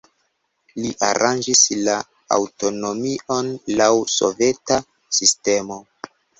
Li aranĝis la aŭtonomion laŭ soveta sistemo.